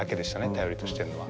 頼りとしてるのは。